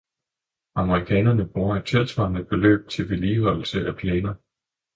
Amerikanerne bruger et tilsvarende beløb til vedligeholdelse af plæner!